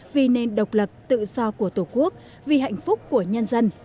vì nền độc lập tự do của tổ quốc vì hạnh phúc của nhân dân